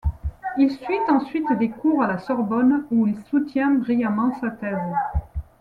Il suit ensuite des cours à la Sorbonne où il soutient brillamment sa thèse.